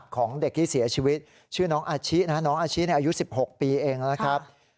ของเด็กที่เสียชีวิตชื่อน้องอาชินะน้องอาชิอายุ๑๖ปีเองนะครับ